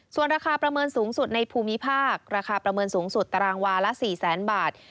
ส่วนราคาประเมินสูงสุดในภูมิภาคราคาประเมินสูงสุดตารางวาละ๔แสนบาท